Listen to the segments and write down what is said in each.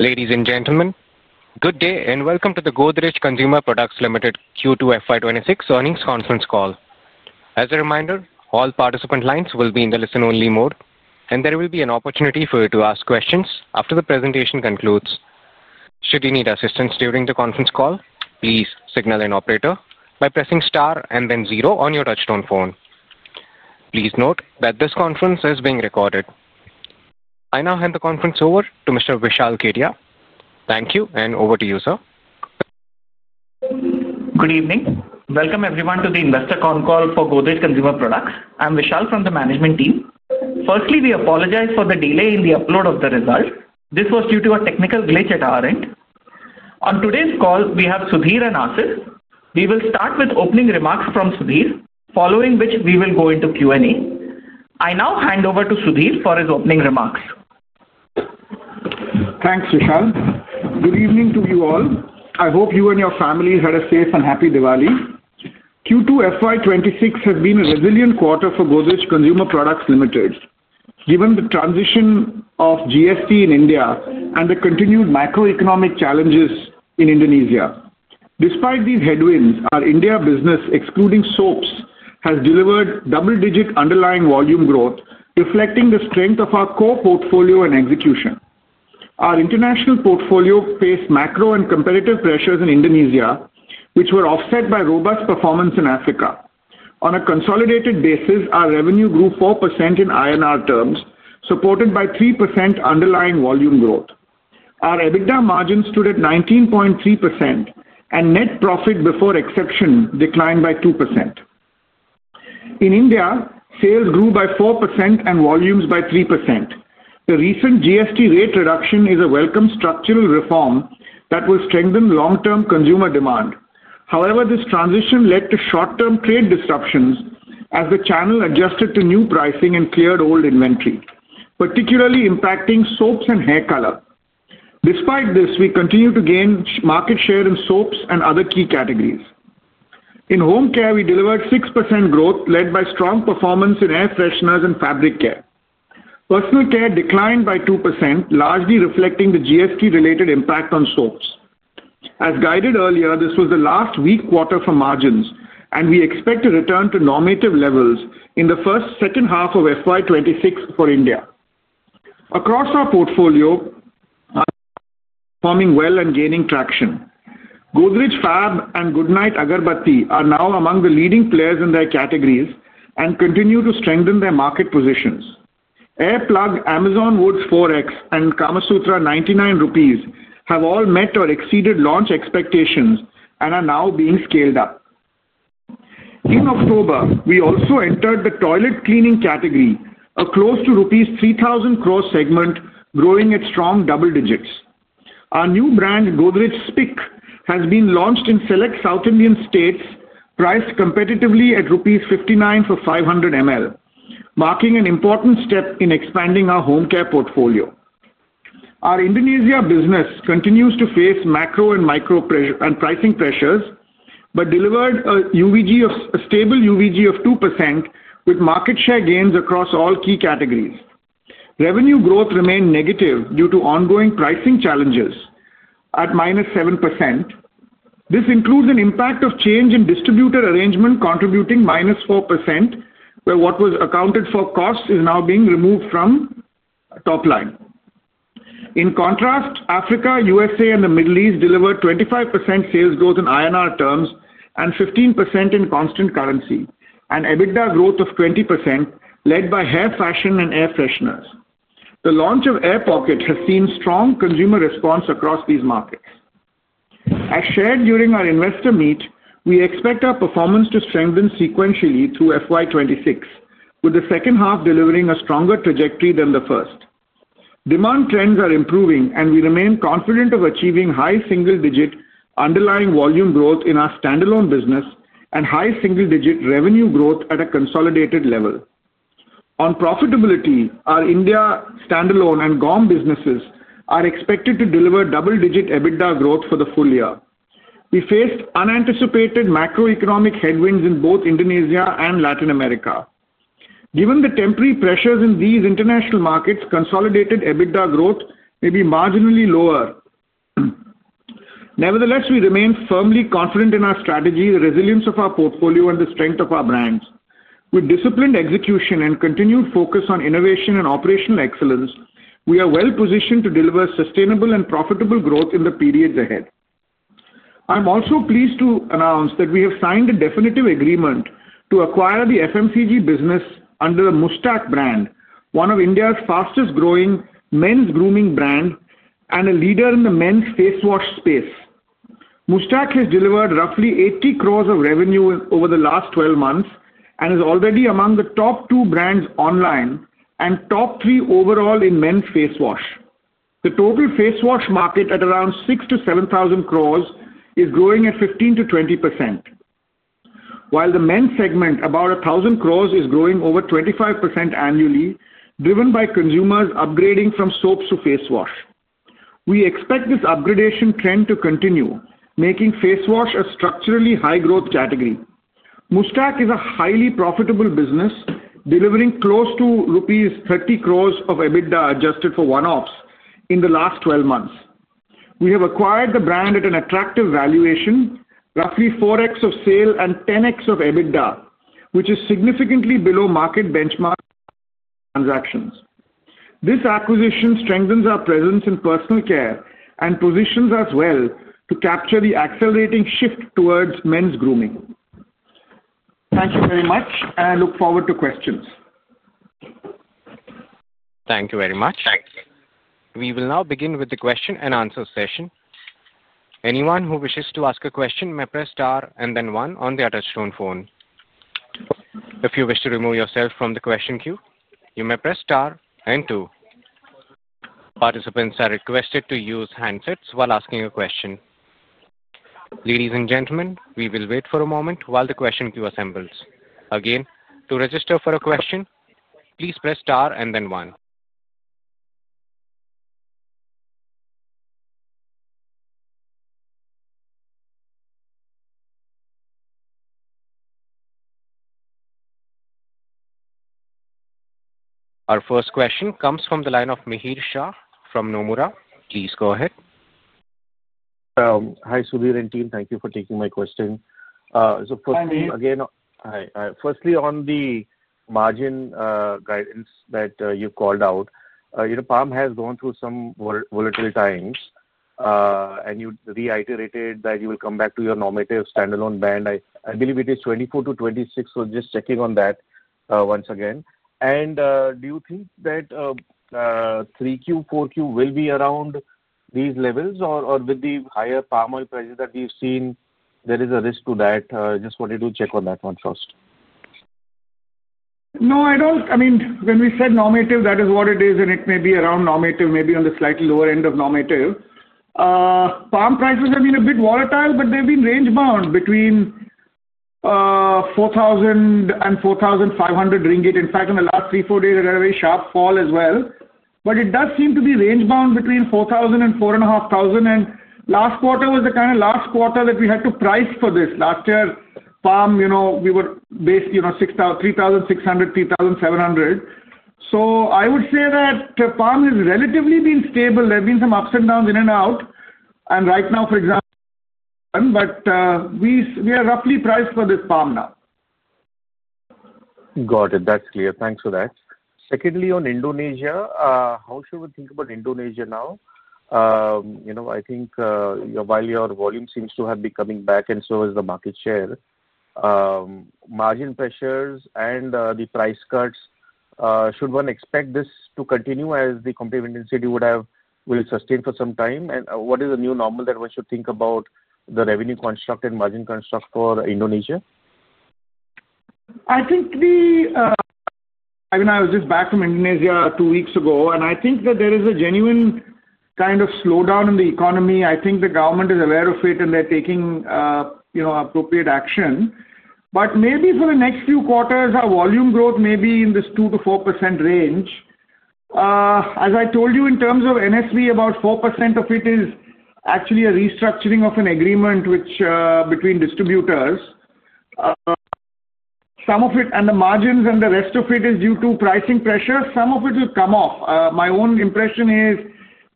Ladies and gentlemen, good day and welcome to the Godrej Consumer Products Limited Q2 FY 2026 Earnings Conference Call. As a reminder, all participant lines will be in the listen-only mode, and there will be an opportunity for you to ask questions after the presentation concludes. Should you need assistance during the conference call, please signal an operator by pressing star and then zero on your touch-tone phone. Please note that this conference is being recorded. I now hand the conference over to Mr. Vishal Kedia. Thank you, and over to you, sir. Good evening. Welcome everyone to the investor concall for Godrej Consumer Products. I'm Vishal, from the management team. Firstly, we apologize for the delay in the upload of the result. This was due to a technical glitch at our end. On today's call, we have Sudhir and Aasif. We will start with opening remarks from Sudhir, following which we will go into Q&A. I now hand over to Sudhir for his opening remarks. Thanks, Vishal. Good evening to you all. I hope you and your families had a safe and happy Diwali. Q2 FY 2026 has been a resilient quarter for Godrej Consumer Products Limited, given the transition of GST in India and the continued macroeconomic challenges in Indonesia. Despite these headwinds, our India business, excluding soaps, has delivered double-digit underlying volume growth, reflecting the strength of our core portfolio and execution. Our international portfolio faced macro and competitive pressures in Indonesia, which were offset by robust performance in Africa. On a consolidated basis, our revenue grew 4% in INR terms, supported by 3% underlying volume growth. Our EBITDA margin stood at 19.3%, and net profit before exceptionals declined by 2%. In India, sales grew by 4% and volumes by 3%. The recent GST rate reduction is a welcome structural reform that will strengthen long-term consumer demand. However, this transition led to short-term trade disruptions as the channel adjusted to new pricing and cleared old inventory, particularly impacting Soaps and Hair Color. Despite this, we continue to gain market share in Soaps and other key categories. In Home Care, we delivered 6% growth, led by strong performance in Air Fresheners and Fabric Care. Personal Care declined by 2%, largely reflecting the GST-related impact on soaps. As guided earlier, this was the last weak quarter for margins, and we expect a return to normative levels in the first second half of FY 2026 for India. Across our portfolio, we are performing well and gaining traction. Godrej Fab and Goodknight Agarbatti are now among the leading players in their categories and continue to strengthen their market positions. Aer Plug, Amazon Woods 4X, and Karmasutra 99 Rupees have all met or exceeded launch expectations and are now being scaled up. In October, we also entered the Toilet Cleaning category, a close to rupees 3,000 crore segment, growing at strong double digits. Our new brand, Godrej Spic, has been launched in select South Indian states, priced competitively at rupees 59 for 500 ml, marking an important step in expanding our Home Care portfolio. Our Indonesia business continues to face macro and micro pricing pressures but delivered a stable UVG of 2% with market share gains across all key categories. Revenue growth remained negative due to ongoing pricing challenges at -7%. This includes an impact of change in distributor arrangement, contributing -4%, where what was accounted for costs is now being removed from top line. In contrast, Africa, USA, and the Middle East delivered 25% sales growth in INR terms and 15% in constant currency, and EBITDA growth of 20%, led by Hair Fashion and Air Fresheners. The launch of Aer Plug has seen strong consumer response across these markets. As shared during our investor meet, we expect our performance to strengthen sequentially through FY 2026, with the second half delivering a stronger trajectory than the first. Demand trends are improving, and we remain confident of achieving high single-digit underlying volume growth in our standalone business and high single-digit revenue growth at a consolidated level. On profitability, our India standalone and GAUM businesses are expected to deliver double-digit EBITDA growth for the full year. We faced unanticipated macroeconomic headwinds in both Indonesia and Latin America. Given the temporary pressures in these international markets, consolidated EBITDA growth may be marginally lower. Nevertheless, we remain firmly confident in our strategy, the resilience of our portfolio, and the strength of our brands. With disciplined execution and continued focus on innovation and operational excellence, we are well positioned to deliver sustainable and profitable growth in the periods ahead. I'm also pleased to announce that we have signed a definitive agreement to acquire the FMCG business under the Muuchstac brand, one of India's fastest-growing men's grooming brands and a leader in the men's face wash space. Muuchstac has delivered roughly 80 crore of revenue over the last 12 months and is already among the top two brands online and top three overall in men's face wash. The total face wash market at around 6,000 crore-7,000 crore is growing at 15%-20%. While the men's segment, about 1,000 crore, is growing over 25% annually, driven by consumers upgrading from soaps to face wash. We expect this upgradation trend to continue, making face wash a structurally high-growth category. Muuchstac is a highly profitable business, delivering close to rupees 30 crore of EBITDA adjusted for one-offs in the last 12 months. We have acquired the brand at an attractive valuation, roughly 4x of sales and 10x of EBITDA, which is significantly below market benchmark transactions. This acquisition strengthens our presence in personal care and positions us well to capture the accelerating shift towards men's grooming. Thank you very much, and I look forward to questions. Thank you very much. Thanks. We will now begin with the question-and-answer session. Anyone who wishes to ask a question may press star and then one on their touch-tone phone. If you wish to remove yourself from the question queue, you may press star and two. Participants are requested to use handsets while asking a question. Ladies and gentlemen, we will wait for a moment while the question queue assembles. Again, to register for a question, please press star and then one. Our first question comes from the line of Mihir Shah from Nomura. Please go ahead. Hi, Sudhir and team. Thank you for taking my question. Firstly, again. Hi. Hi. Firstly, on the margin guidance that you've called out, palm has gone through some volatile times. You reiterated that you will come back to your normative standalone band. I believe it is 24%-26%. Just checking on that once again. Do you think that 3Q, 4Q will be around these levels, or with the higher palm oil prices that we've seen, there is a risk to that? I just wanted to check on that one first. No, I don't. I mean, when we said normative, that is what it is, and it may be around normative, maybe on the slightly lower end of normative. Palm prices have been a bit volatile, but they've been range-bound between 4,000 crore and INR 4,500 crore. In fact, in the last three or four days, there was a very sharp fall as well. It does seem to be range-bound between 4,000 crore and 4,500 crore. Last quarter was the kind of last quarter that we had to price for this. Last year, Palm, we were based 3,600 crore, 3,700 crore. I would say that Palm has relatively been stable. There have been some ups and downs in and out. Right now, for example, we are roughly priced for this Palm now. Got it. That's clear. Thanks for that. Secondly, on Indonesia, how should we think about Indonesia now? While your volume seems to have been coming back, and so has the market share, margin pressures and the price cuts, should one expect this to continue as the competitive intensity would have sustained for some time? What is the new normal that one should think about the revenue construct and margin construct for Indonesia? I think I was just back from Indonesia two weeks ago, and I think that there is a genuine kind of slowdown in the economy. I think the government is aware of it, and they're taking appropriate action. Maybe for the next few quarters, our volume growth may be in this 2%-4% range. As I told you, in terms of NSV, about 4% of it is actually a restructuring of an agreement between distributors. Some of it, and the margins and the rest of it, is due to pricing pressure. Some of it will come off. My own impression is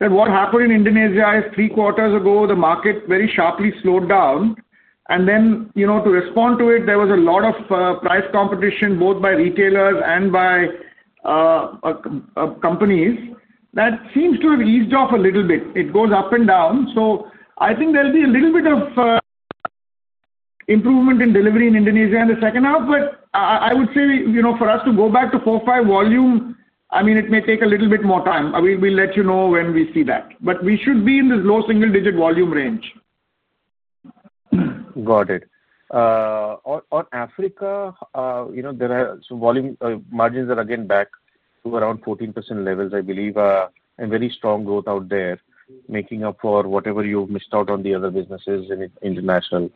that what happened in Indonesia is three quarters ago, the market very sharply slowed down. To respond to it, there was a lot of price competition, both by retailers and by companies. That seems to have eased off a little bit. It goes up and down. I think there'll be a little bit of improvement in delivery in Indonesia in the second half. I would say for us to go back to 4.5 volume, it may take a little bit more time. We'll let you know when we see that. We should be in this low single-digit volume range. Got it. On Africa, there are some volume margins that are getting back to around 14% levels, I believe, and very strong growth out there, making up for whatever you've missed out on the other businesses in international.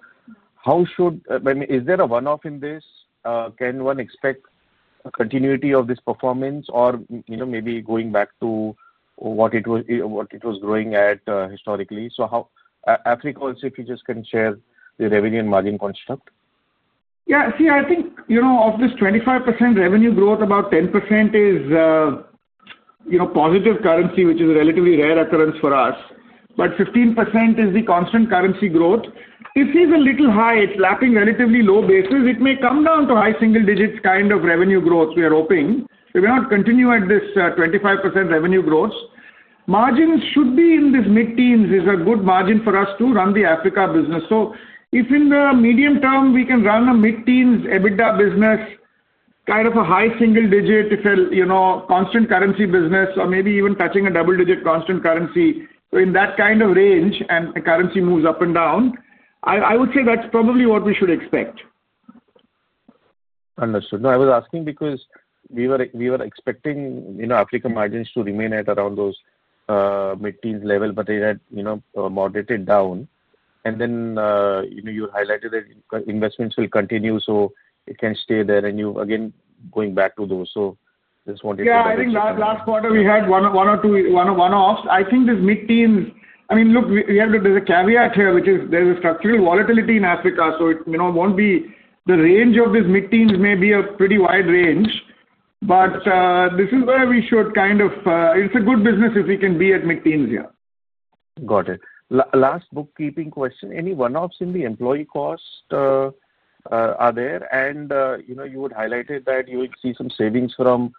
Is there a one-off in this? Can one expect continuity of this performance or maybe going back to what it was growing at historically? Africa also, if you just can share the revenue and margin construct. Yeah. See, I think of this 25% revenue growth, about 10% is positive currency, which is a relatively rare occurrence for us. 15% is the constant currency growth. If it's a little high, it's lapping relatively low bases. It may come down to high single-digit kind of revenue growth we are hoping. If we don't continue at this 25% revenue growth, margins should be in this mid-teens. It's a good margin for us to run the Africa business. If in the medium term, we can run a mid-teens EBITDA business, kind of a high single-digit, if a constant currency business, or maybe even touching a double-digit constant currency, in that kind of range and the currency moves up and down. I would say that's probably what we should expect. Understood. I was asking because we were expecting Africa margins to remain at around those mid-teens level, but they had moderated down. You highlighted that investments will continue, so it can stay there. You, again, going back to those, just wanted to confirm. Yeah, I think last quarter, we had one or two one-offs. I think this mid-teens, I mean, look, we have to, there's a caveat here, which is there's a structural volatility in Africa. It won't be the range of this mid-teens, may be a pretty wide range. This is where we should kind of, it's a good business if we can be at mid-teens here. Got it. Last bookkeeping question. Any one-offs in the employee cost? Are there? You would highlight that you would see some savings from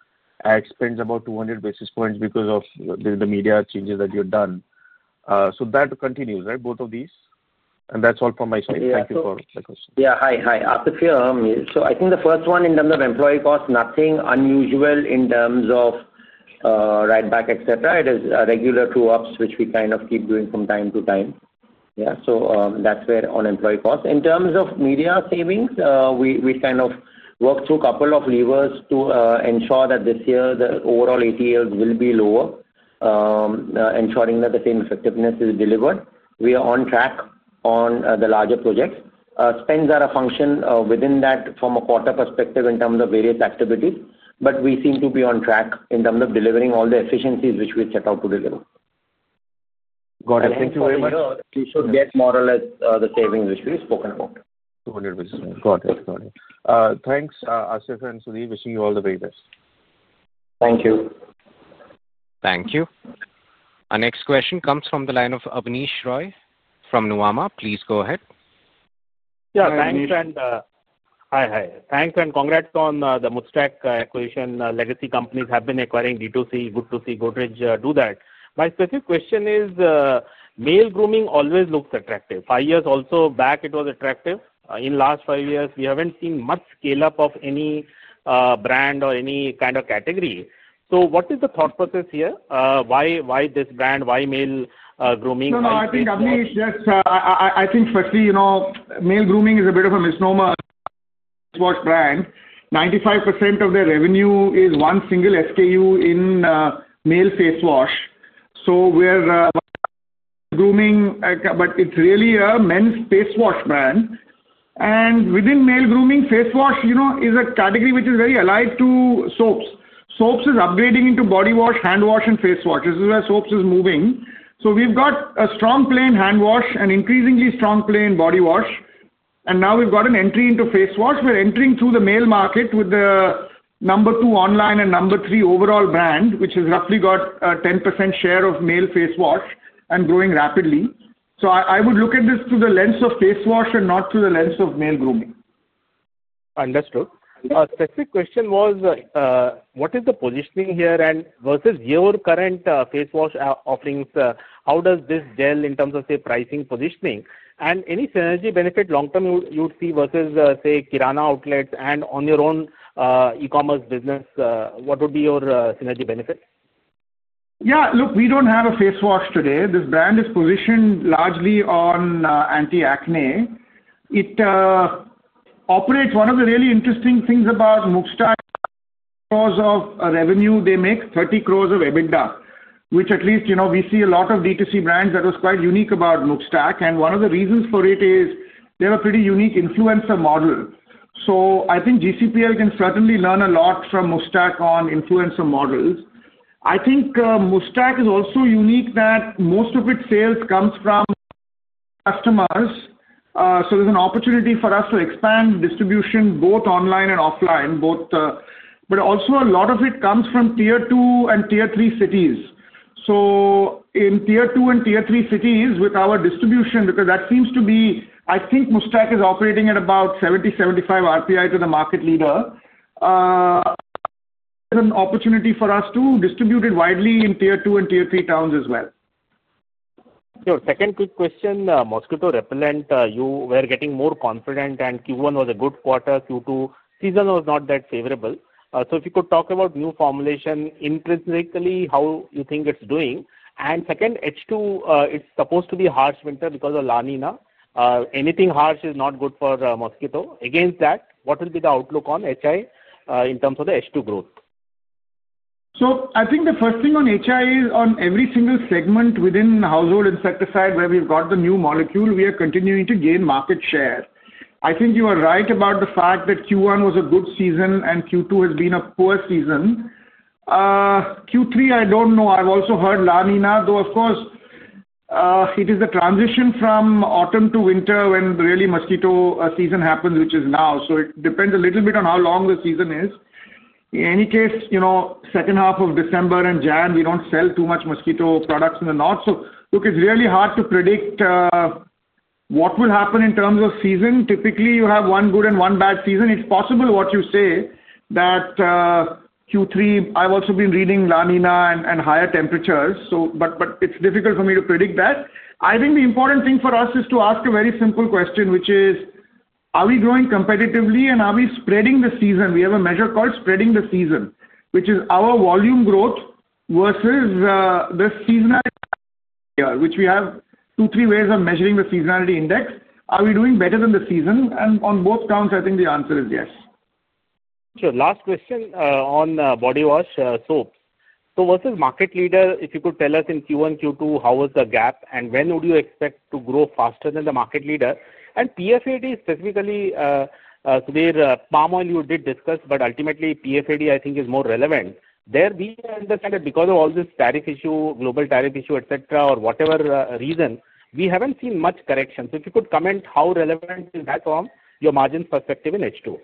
ad spends, about 200 basis points, because of the media changes that you've done. That continues, right, both of these? That's all from my side. Thank you for the question. Yeah. Hi, hi. After [P.M.], I think the first one in terms of employee cost, nothing unusual in terms of right back, etc. It is regular two-ups, which we kind of keep doing from time to time. Yeah. That's where on employee cost. In terms of media savings, we kind of worked through a couple of levers to ensure that this year the overall ATLs will be lower, ensuring that the same effectiveness is delivered. We are on track on the larger projects. Spends are a function within that from a quarter perspective in terms of various activities. We seem to be on track in terms of delivering all the efficiencies which we set out to deliver. Got it. Thank you very much. We should get more or less the savings which we've spoken about. 200 basis points. Got it. Got it. Thanks, Aasif and Sudhir, wishing you all the very best. Thank you. Thank you. Our next question comes from the line of Abneesh Roy from Nuvama. Please go ahead. Yeah. Thanks and hi, hi. Thanks and congrats on the Muuchstac acquisition. Legacy companies have been acquiring D2C, good to see, Godrej do that. My specific question is, male grooming always looks attractive. 5 years also back, it was attractive. In the last 5 years, we haven't seen much scale-up of any brand or any kind of category. What is the thought process here? Why this brand? Why male grooming? No, no. I think, Abneesh, just I think firstly, male grooming is a bit of a misnomer. Face wash brand, 95% of their revenue is one single SKU in male face wash. We're grooming, but it's really a men's face wash brand. Within male grooming, face wash is a category which is very allied to soaps. Soaps is upgrading into body wash, hand wash, and face wash. This is where soaps is moving. We've got a strong play in hand wash and increasingly strong play in body wash. Now we've got an entry into face wash. We're entering through the male market with the number two online and number three overall brand, which has roughly got a 10% share of male face wash and growing rapidly. I would look at this through the lens of face wash and not through the lens of male grooming. Understood. A specific question was, what is the positioning here versus your current face wash offerings? How does this gel in terms of, say, pricing positioning? Any synergy benefit long term you would see versus, say, Kirana outlets and on your own e-commerce business? What would be your synergy benefit? Yeah. Look, we don't have a face wash today. This brand is positioned largely on anti-acne. It operates. One of the really interesting things about Muuchstac, of revenue, they make 30 crore of EBITDA, which at least we see a lot of D2C brands, that was quite unique about Muuchstac. One of the reasons for it is they have a pretty unique influencer model. I think GCPL can certainly learn a lot from Muuchstac on influencer models. I think Muuchstac is also unique that most of its sales comes from customers. There's an opportunity for us to expand distribution both online and offline. A lot of it comes from tier two and tier three cities. In tier two and tier three cities with our distribution, because that seems to be, I think Muuchstac is operating at about 70, 75 RPI to the market leader. There's an opportunity for us to distribute it widely in tier two and tier three towns as well. Your second quick question, mosquito repellent, you were getting more confident, and Q1 was a good quarter. Q2 season was not that favorable. If you could talk about new formulation intrinsically, how you think it's doing. Second, H2, it's supposed to be harsh winter because of La Niña. Anything harsh is not good for mosquito. Against that, what will be the outlook on household insecticides in terms of the H2 growth? I think the first thing on household insecticides is on every single segment within household insecticide where we've got the new molecule, we are continuing to gain market share. I think you are right about the fact that Q1 was a good season and Q2 has been a poor season. Q3, I don't know. I've also heard La Niña, though, of course. It is the transition from autumn to winter when really mosquito season happens, which is now. It depends a little bit on how long the season is. In any case, second half of December and January, we don't sell too much mosquito products in the north. It's really hard to predict what will happen in terms of season. Typically, you have one good and one bad season. It's possible what you say that Q3, I've also been reading La Niña and higher temperatures. It's difficult for me to predict that. I think the important thing for us is to ask a very simple question, which is, are we growing competitively and are we spreading the season? We have a measure called spreading the season, which is our volume growth versus the seasonality here, which we have two, three ways of measuring the seasonality index. Are we doing better than the season? On both counts, I think the answer is yes. Last question on body wash soaps. Versus the market leader, if you could tell us in Q1, Q2, how was the gap and when would you expect to grow faster than the market leader? PFAD specifically, Sudhir, palm oil you did discuss, but ultimately PFAD, I think, is more relevant. We understand that because of all this tariff issue, global tariff issue, etc., or whatever reason, we haven't seen much correction. If you could comment how relevant is that from your margins perspective in H2?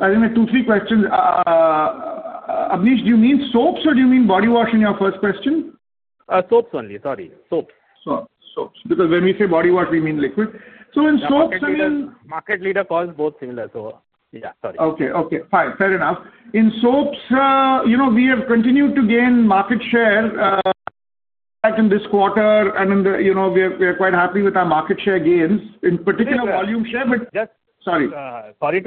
I think the two, three questions. Abneesh, do you mean soaps or do you mean body wash in your first question? Soaps only. Sorry, soaps. Soaps, because when we say body wash, we mean liquid. So in soaps, I mean. Market leader calls both similar. Sorry. Okay. Fine. Fair enough. In soaps, we have continued to gain market share in this quarter, and we are quite happy with our market share gains, in particular volume share. Sorry. Let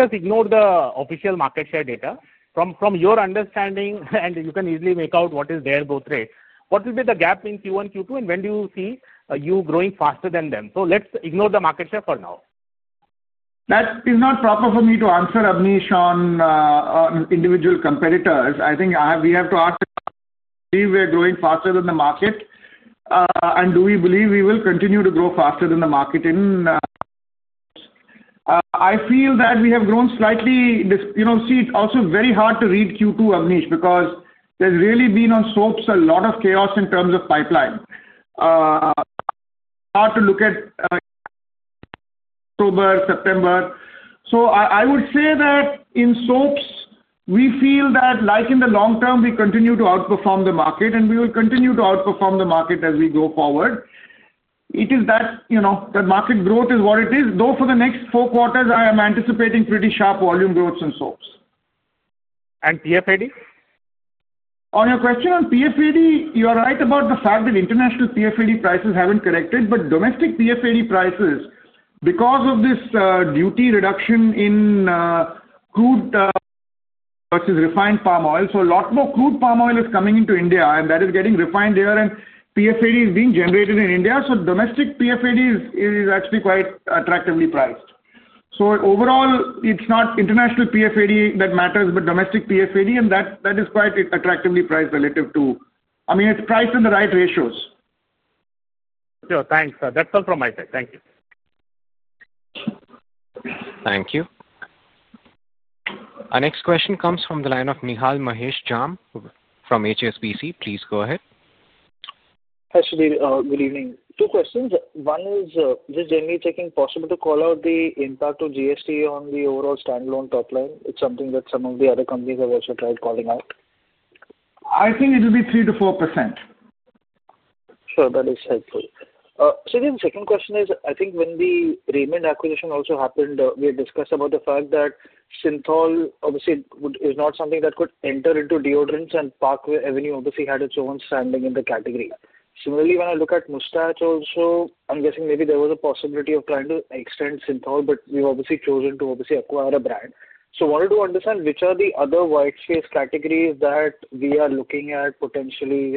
us ignore the official market share data. From your understanding, and you can easily make out what is their growth rate. What will be the gap in Q1, Q2, and when do you see you growing faster than them? Let's ignore the market share for now. That is not proper for me to answer, Abneesh, on individual competitors. I think we have to ask, do we believe we're growing faster than the market, and do we believe we will continue to grow faster than the market? I feel that we have grown slightly. See, it's also very hard to read Q2, Abneesh, because there's really been on soaps a lot of chaos in terms of pipeline. Hard to look at October, September. I would say that in soaps, we feel that like in the long term, we continue to outperform the market, and we will continue to outperform the market as we go forward. The market growth is what it is. For the next four quarters, I am anticipating pretty sharp volume growth in soaps. And PFAD? On your question on PFAD, you are right about the fact that international PFAD prices haven't corrected. Domestic PFAD prices, because of this duty reduction in crude versus refined palm oil, mean a lot more crude palm oil is coming into India, and that is getting refined here, and PFAD is being generated in India. Domestic PFAD is actually quite attractively priced. Overall, it's not international PFAD that matters, but domestic PFAD, and that is quite attractively priced relative to, I mean, it's priced in the right ratios. Sure. Thanks. That's all from my side. Thank you. Thank you. Our next question comes from the line of Nihal Mahesh Jham from HSBC. Please go ahead. Hi, Sudhir. Good evening. Two questions. One is, is it generally possible to call out the impact of GST on the overall standalone top line? It's something that some of the other companies have also tried calling out. I think it will be 3%-4%. Sure. That is helpful. Sudhir, the second question is, I think when the Raymond acquisition also happened, we had discussed about the fact that Cinthol, obviously, is not something that could enter into deodorants, and Park Avenue obviously had its own standing in the category. Similarly, when I look at Muuchstac also, I'm guessing maybe there was a possibility of trying to extend Cinthol, but we've obviously chosen to obviously acquire a brand. I wanted to understand which are the other whitespace categories that we are looking at potentially,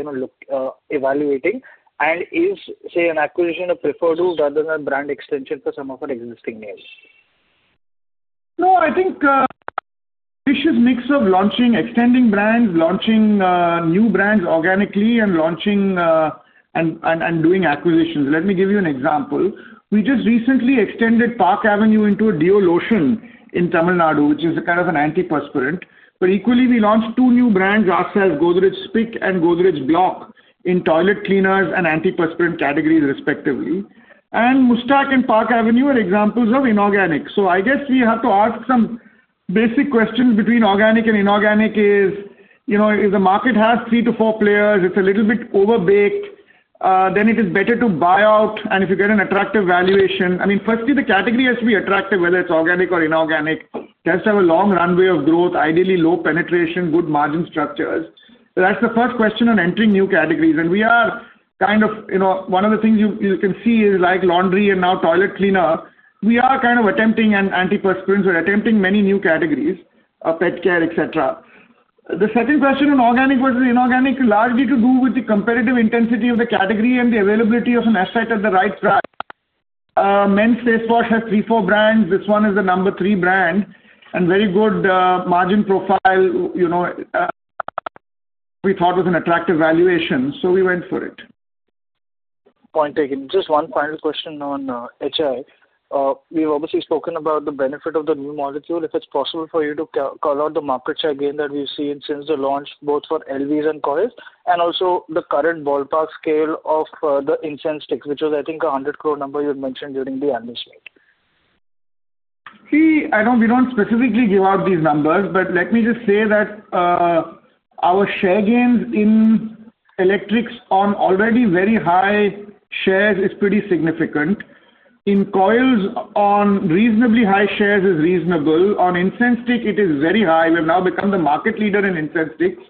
evaluating, and is, say, an acquisition a preferred route rather than a brand extension for some of our existing names? No, I think a vicious mix of launching, extending brands, launching new brands organically, and doing acquisitions. Let me give you an example. We just recently extended Park Avenue into a deo lotion in Tamil Nadu, which is a kind of an antiperspirant. Equally, we launched two new brands ourselves, Godrej Spic and Godrej Block, in toilet cleaners and antiperspirant categories respectively. Muuchstac and Park Avenue are examples of inorganic. I guess we have to ask some basic questions between organic and inorganic. If the market has three to four players, it's a little bit overbaked, then it is better to buy out, and if you get an attractive valuation. Firstly, the category has to be attractive, whether it's organic or inorganic. It has to have a long runway of growth, ideally low penetration, good margin structures. That's the first question on entering new categories. We are kind of one of the things you can see is like laundry and now toilet cleaner, we are kind of attempting antiperspirants or attempting many new categories, pet care, etc. The second question on organic versus inorganic is largely to do with the competitive intensity of the category and the availability of an asset at the right price. Men's face wash has three, four brands. This one is the number three brand and very good margin profile. We thought it was an attractive valuation, so we went for it. Point taken. Just one final question on HI. We've obviously spoken about the benefit of the new molecule. If it's possible for you to call out the market share gain that we've seen since the launch, both for LVs and [Coils] and also the current ballpark scale of the incense sticks, which was, I think, an 100 crore number you had mentioned during the announcement. See, we don't specifically give out these numbers, but let me just say that our share gains in electrics on already very high shares is pretty significant. In coils, on reasonably high shares is reasonable. On incense sticks, it is very high. We have now become the market leader in incense sticks,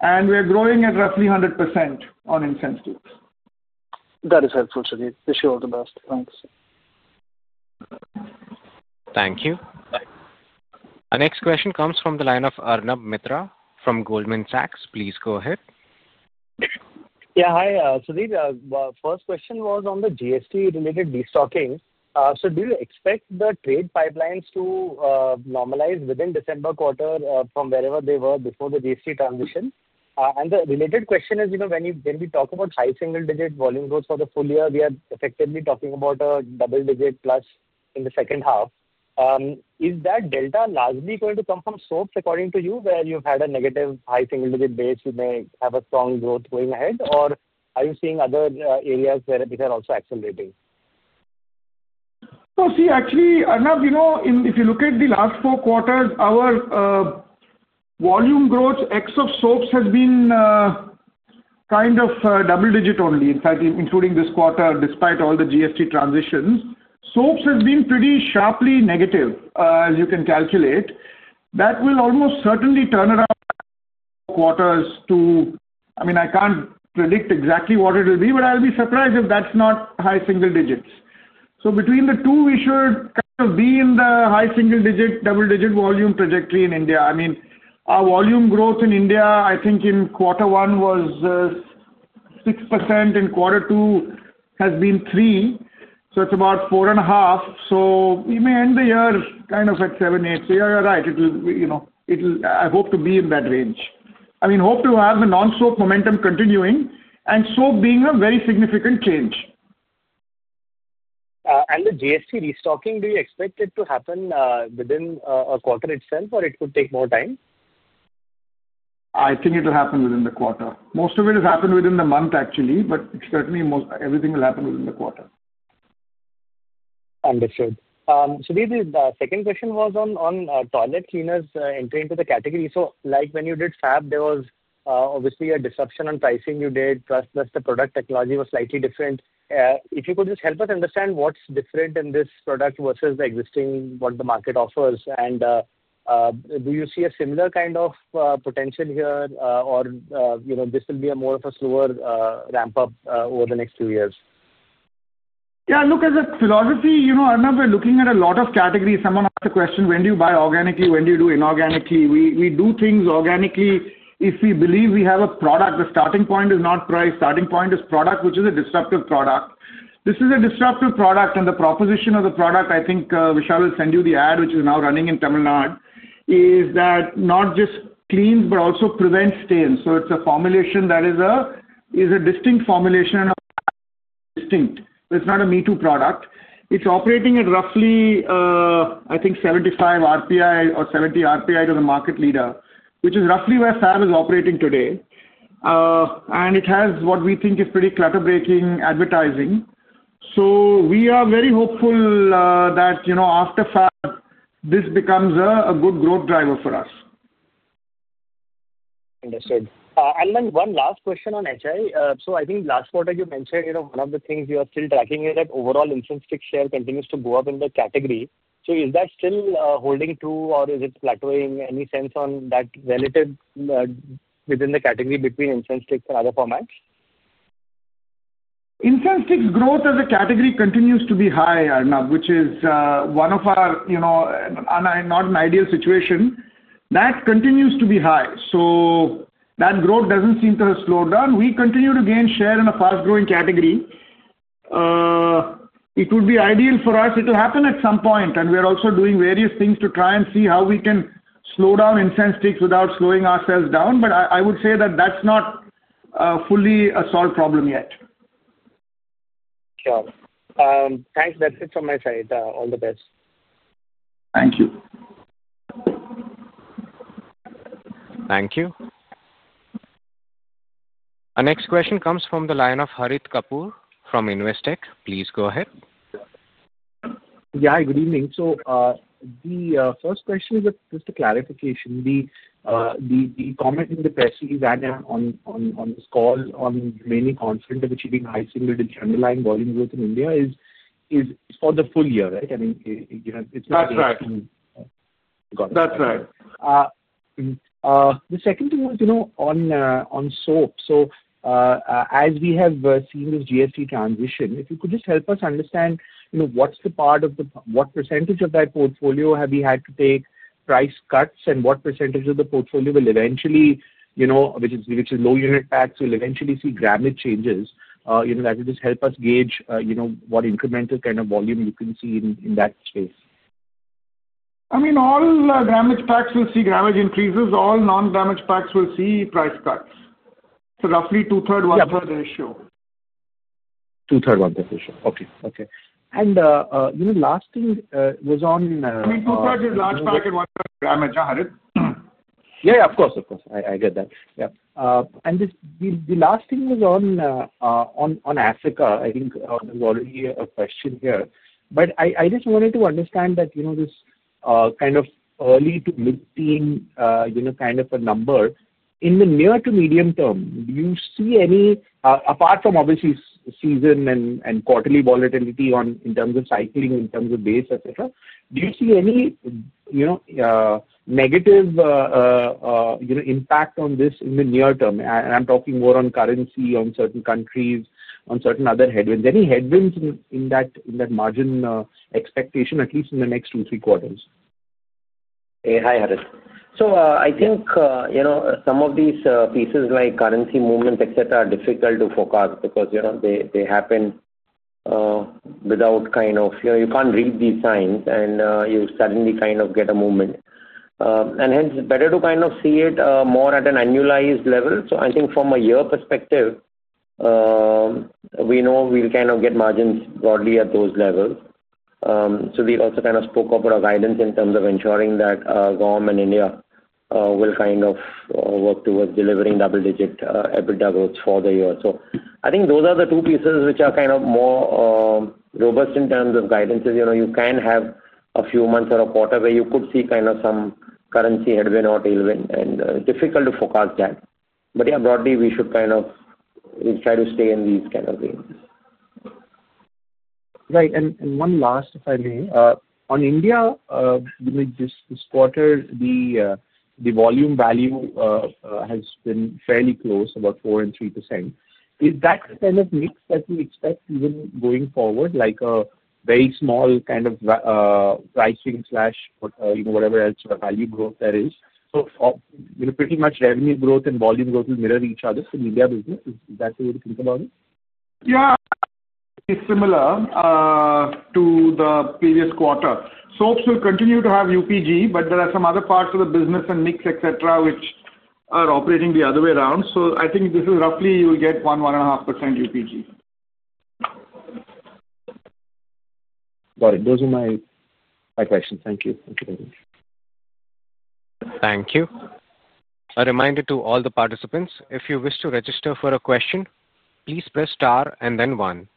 and we are growing at roughly 100% on incense sticks. That is helpful, Sudhir. Wish you all the best. Thanks. Thank you. Our next question comes from the line of Arnab Mitra from Goldman Sachs. Please go ahead. Yeah. Hi, Sudhir. First question was on the GST-related restocking. Do you expect the trade pipelines to normalize within the December quarter from wherever they were before the GST transition? The related question is, when we talk about high single-digit volume growth for the full year, we are effectively talking about a double-digit plus in the second half. Is that delta largely going to come from soaps, according to you, where you've had a negative high single-digit base? You may have a strong growth going ahead, or are you seeing other areas where these are also accelerating? Actually, Arnab, if you look at the last four quarters, our volume growth, X of soaps, has been kind of double-digit only, in fact, including this quarter, despite all the GST transitions. Soaps has been pretty sharply negative, as you can calculate. That will almost certainly turn around. Quarters to, I mean, I can't predict exactly what it will be, but I'll be surprised if that's not high single digits. Between the two, we should kind of be in the high single-digit, double-digit volume trajectory in India. I mean, our volume growth in India, I think in quarter one was 6%. In quarter two, has been 3%. It's about 4.5%. We may end the year kind of at 7%, 8%. You're right. I hope to be in that range. I mean, hope to have the non-soap momentum continuing and soap being a very significant change. Do you expect the GST restocking to happen within a quarter itself, or could it take more time? I think it will happen within the quarter. Most of it has happened within the month, actually, but certainly everything will happen within the quarter. Understood. Sudhir, the second question was on toilet cleaners entering into the category. Like when you did Godrej Fab, there was obviously a disruption on pricing you did, plus the product technology was slightly different. If you could just help us understand what's different in this product versus the existing, what the market offers, and do you see a similar kind of potential here, or this will be more of a slower ramp-up over the next few years? Yeah. Look, as a philosophy, Arnab, we're looking at a lot of categories. Someone asked the question, when do you buy organically, when do you do inorganically? We do things organically if we believe we have a product. The starting point is not price. The starting point is product, which is a disruptive product. This is a disruptive product, and the proposition of the product, I think Vishal will send you the ad, which is now running in Tamil Nadu, is that it not just cleans, but also prevents stains. It's a formulation that is a distinct formulation. Distinct. It's not a me-too product. It's operating at roughly 75 RPI or 70 RPI to the market leader, which is roughly where Fab is operating today. It has what we think is pretty clutter-breaking advertising. We are very hopeful that after Fab, this becomes a good growth driver for us. Understood. One last question on household insecticides. I think last quarter, you mentioned one of the things you are still tracking is that overall incense stick share continues to go up in the category. Is that still holding true, or is it plateauing? Any sense on that relative within the category between incense sticks and other formats? Incense sticks growth as a category continues to be high, Arnab, which is one of ours. Not an ideal situation. That continues to be high. That growth doesn't seem to have slowed down. We continue to gain share in a fast-growing category. It would be ideal for us. It will happen at some point. We're also doing various things to try and see how we can slow down incense sticks without slowing ourselves down. I would say that that's not fully a solved problem yet. Sure. Thanks. That's it from my side. All the best. Thank you. Thank you. Our next question comes from the line of Harit Kapoor from Investec. Please go ahead. Hi, good evening. The first question is just a clarification. The comment in the press that you had on this call on remaining confident of achieving high single-digit underlying volume growth in India is for the full year, right? I mean, it's not just two. That's right. That's right. The second thing was on soaps. As we have seen this GST transition, if you could just help us understand what's the part of the, what percentage of that portfolio have we had to take price cuts, and what percentage of the portfolio will eventually, which is low-unit packs, will eventually see gramage changes? That would just help us gauge what incremental kind of volume you can see in that space. I mean, all grammage packs will see grammage increases. All non-grammage packs will see price cuts. So roughly 2/3, 1/3 ratio. Two-thirds, 1/3 ratio. Okay. The last thing was on. I mean, 2/3 is large pack and 1/3 grammage, huh, Harit? Of course. I get that. The last thing was on Africa. I think there's already a question here, but I just wanted to understand that this kind of early to mid-teens kind of a number, in the near to medium term, do you see any, apart from obviously season and quarterly volatility in terms of cycling, in terms of base, etc., do you see any negative impact on this in the near term? I'm talking more on currency, on certain countries, on certain other headwinds. Any headwinds in that margin expectation, at least in the next two, three quarters? Hey, hi, Harit. Some of these pieces like currency movements, etc., are difficult to forecast because they happen without kind of, you can't read these signs, and you suddenly kind of get a movement. Hence, it's better to see it more at an annualized level. From a year perspective, we know we'll kind of get margins broadly at those levels. Sudhir also spoke up about guidance in terms of ensuring that GAUM and India will work towards delivering double-digit EBITDA growth for the year. Those are the two pieces which are more robust in terms of guidance. You can have a few months or a quarter where you could see some currency headwind or tailwind, and it's difficult to forecast that. Yeah, broadly, we should try to stay in these ranges. Right. One last, if I may. On India, this quarter the volume value has been fairly close, about 4% and 3%. Is that kind of mix that we expect even going forward, like a very small kind of pricing or whatever else value growth there is? Pretty much revenue growth and volume growth will mirror each other for India business. Is that the way to think about it? Yeah, similar to the previous quarter. Soaps will continue to have UPG, but there are some other parts of the business and mix, etc., which are operating the other way around. I think this is roughly you'll get 1%-1.5% UPG. Got it. Those are my questions. Thank you. Thank you very much. Thank you. A reminder to all the participants, if you wish to register for a question, please press star and then one.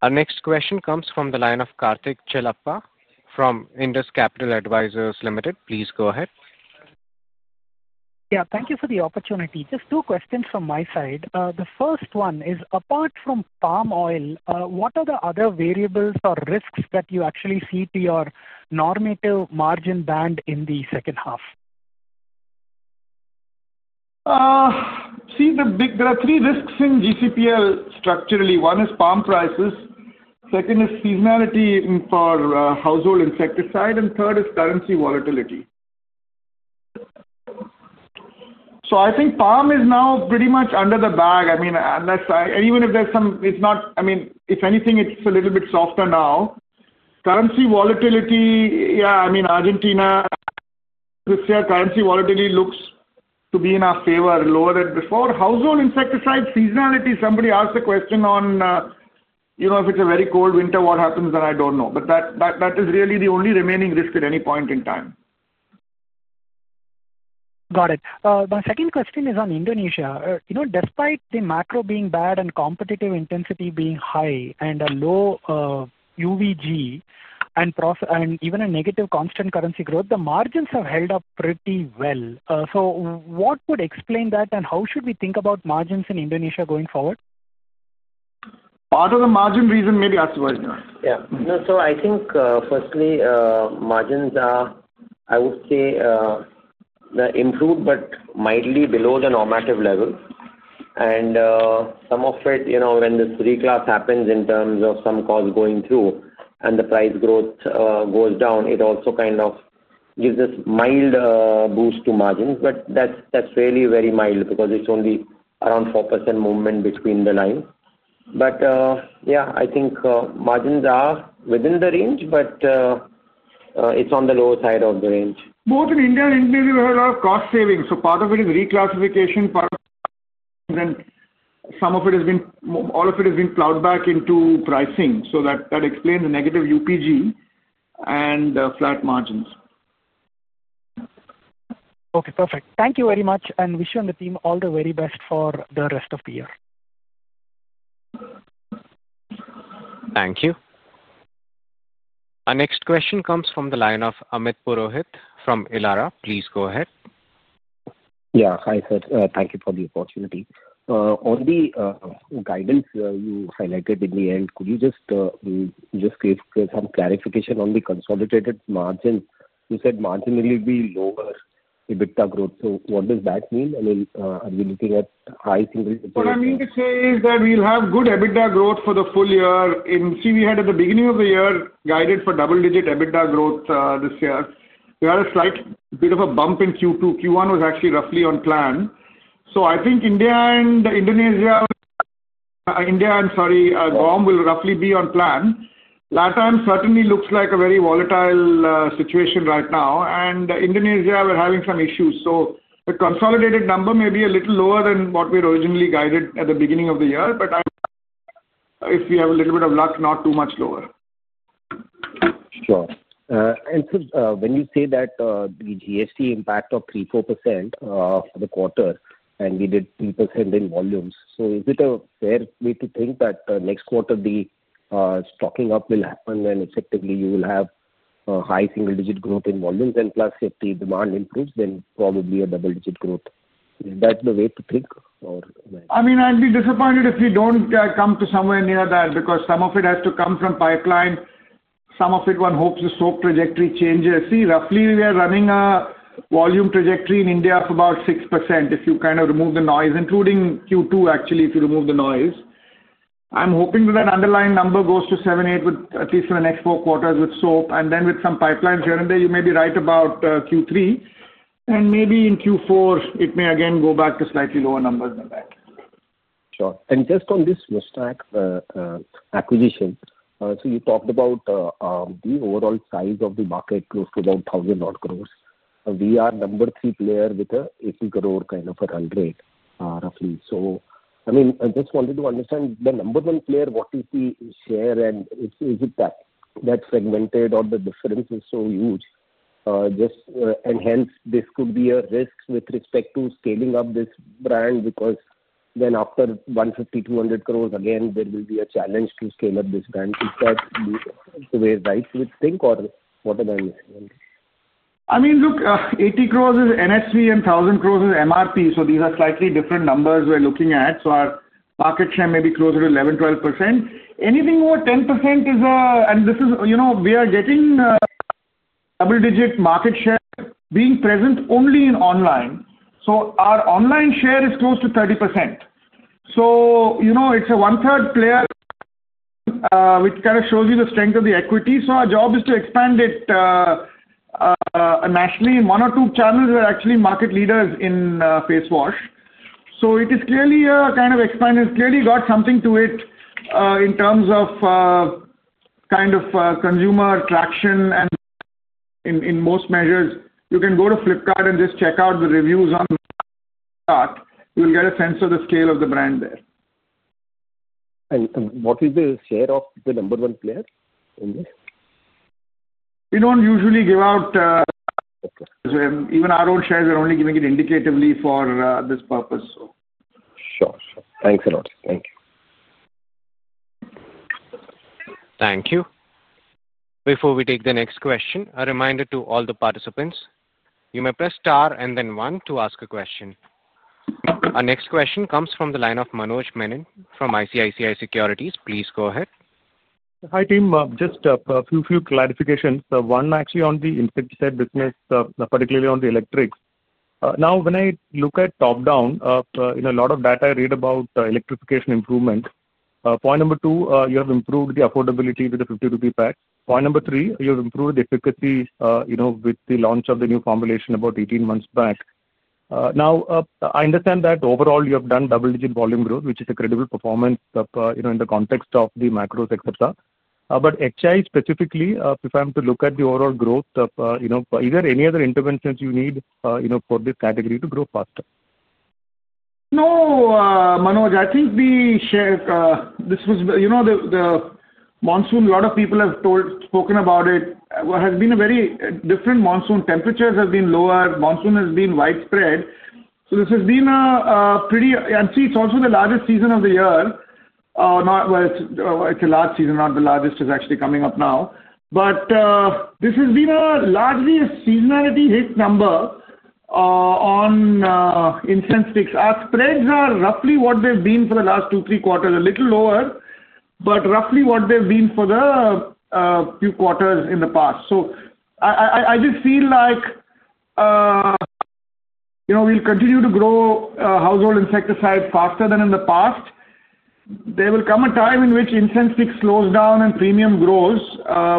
Our next question comes from the line of Karthik Chelappa from Indus Capital Advisors Limited. Please go ahead. Thank you for the opportunity. Just two questions from my side. The first one is, apart from palm oil, what are the other variables or risks that you actually see to your normative margin band in the second half? See, there are three risks in GCPL structurally. One is palm prices. Second is seasonality for household insecticide. Third is currency volatility. I think palm is now pretty much under the bag. I mean, unless even if there's some, it's not, I mean, if anything, it's a little bit softer now. Currency volatility, yeah, I mean, Argentina. Currency volatility looks to be in our favor, lower than before. Household insecticide seasonality, somebody asked the question on. If it's a very cold winter, what happens, I don't know. That is really the only remaining risk at any point in time. Got it. My second question is on Indonesia. Despite the macro being bad and competitive intensity being high and a low UVG and even a negative constant currency growth, the margins have held up pretty well. What would explain that, and how should we think about margins in Indonesia going forward? Part of the margin reason may be Aasif, right? Yeah. I think, firstly, margins are, I would say, improved, but mildly below the normative level. Some of it, when the reclass happens in terms of some cost going through and the price growth goes down, it also kind of gives us a mild boost to margins. That's fairly very mild because it's only around 4% movement between the lines. Margins are within the range, but it's on the lower side of the range. Both in India and India, we've heard a lot of cost savings. Part of it is reclassification, part of it. Some of it has been all of it has been plowed back into pricing. That explains the negative UPG and flat margins. Okay. Perfect. Thank you very much. Wish you and the team all the very best for the rest of the year. Thank you. Our next question comes from the line of Amit Purohit from Elara. Please go ahead. Yeah. Hi, Sir. Thank you for the opportunity. On the guidance you highlighted in the end, could you just give some clarification on the consolidated margin? You said marginally be lower EBITDA growth. What does that mean? I mean, are we looking at high single? What I mean to say is that we'll have good EBITDA growth for the full year. We had, at the beginning of the year, guided for double-digit EBITDA growth this year. We had a slight bit of a bump in Q2. Q1 was actually roughly on plan. I think India and Indonesia, India and, sorry, GAUM will roughly be on plan. LatAm certainly looks like a very volatile situation right now, and Indonesia were having some issues. The consolidated number may be a little lower than what we had originally guided at the beginning of the year, but if we have a little bit of luck, not too much lower. Sure. When you say that the GST impact of 3%-4% for the quarter, and we did 3% in volumes, is it a fair way to think that next quarter the stocking up will happen and effectively you will have high single-digit growth in volumes, and plus if the demand improves, then probably a double-digit growth? Is that the way to think, or? I'd be disappointed if we don't come to somewhere near that because some of it has to come from pipeline. Some of it, one hopes the soap trajectory changes. See, roughly, we are running a volume trajectory in India of about 6%. If you kind of remove the noise, including Q2, actually, if you remove the noise, I'm hoping that that underlying number goes to 7%, 8%, at least for the next four quarters with soap. With some pipelines here and there, you may be right about Q3. Maybe in Q4, it may again go back to slightly lower numbers than that. Sure. Just on this Muuchstac acquisition, you talked about the overall size of the market close to about 1,000 crore. We are the number three player with an 80 crore kind of a run rate, roughly. I just wanted to understand the number one player, what is the share, and is it that segmented or the difference is so huge? This could be a risk with respect to scaling up this brand because after 150 crore-200 crore, again, there will be a challenge to scale up this brand. Is that the right way to think, or what am I missing? I mean, look, 80 crore is NSV and 1,000 crore is MRP. These are slightly different numbers we're looking at. Our market share may be closer to 11%, 12%. Anything over 10% is a, and this is, we are getting double-digit market share being present only in online. Our online share is close to 30%, so it's a 1/3 player, which kind of shows you the strength of the equity. Our job is to expand it nationally, and one or two channels are actually market leaders in Face Wash. It is clearly a kind of expanded, it's clearly got something to it in terms of kind of consumer traction. In most measures, you can go to Flipkart and just check out the reviews on Flipkart. You'll get a sense of the scale of the brand there. What is the share of the number one player in this? We don't usually give out. Even our own shares are only giving it indicatively for this purpose. Sure. Sure. Thanks a lot. Thank you. Thank you. Before we take the next question, a reminder to all the participants. You may press star and then one to ask a question. Our next question comes from the line of Manoj Menon from ICICI Securities. Please go ahead. Hi, team. Just a few clarifications. One, actually, on the household insecticide business, particularly on the electrics. Now, when I look at top-down, a lot of data I read about electrification improvement. Point number two, you have improved the affordability with the 50 crore rupee packs. Point number three, you have improved the efficacy with the launch of the new formulation about 18 months back. Now, I understand that overall, you have done double-digit volume growth, which is a credible performance in the context of the macros, etc. HI, specifically, if I'm to look at the overall growth, is there any other interventions you need for this category to grow faster? No, Manoj. I think the share this was the monsoon. A lot of people have spoken about it. It has been a very different monsoon. Temperatures have been lower. Monsoon has been widespread. This has been a pretty, and see, it's also the largest season of the year. It's a large season. Not the largest is actually coming up now. This has been largely a seasonality hit number on insect sticks. Our spreads are roughly what they've been for the last two, three quarters, a little lower, but roughly what they've been for the few quarters in the past. I just feel like we'll continue to grow household insecticide faster than in the past. There will come a time in which insect sticks slows down and premium grows.